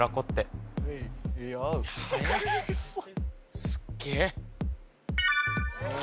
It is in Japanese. すっげえ